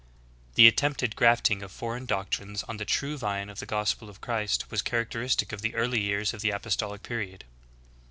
'' 2. The attempted grafting of foreign doctrines on the true vine of the gospel of Christ was characteristic of the early years of the apostolic period.